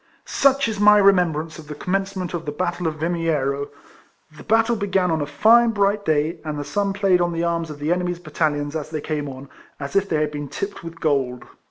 Such is my remembrance of the com mencement of tlie battle of Yimiero. The battle began on a fine bright day, and the sun played on the arms of the enemy's battalions, as they came on, as if they had been tipped with gold.